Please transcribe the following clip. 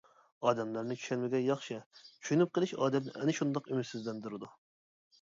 ئادەملەرنى چۈشەنمىگەن ياخشى، چۈشىنىپ قېلىش ئادەمنى ئەنە شۇنداق ئۈمىدسىزلەندۈرىدۇ.